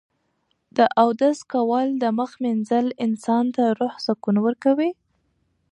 د اودس کول او د مخ مینځل انسان ته روحي سکون ورکوي.